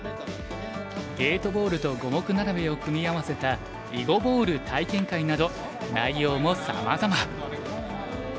ゲートボールと五目並べを組み合わせた囲碁ボール体験会など内容もさまざま。